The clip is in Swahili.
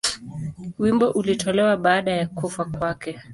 Wimbo ulitolewa baada ya kufa kwake.